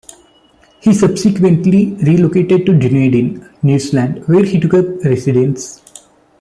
He subsequently relocated to Dunedin, New Zealand, where he took up residence.